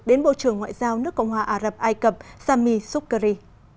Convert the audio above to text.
đến bộ trưởng ngoại giao nước cộng hòa ả rập ai cập sami soukari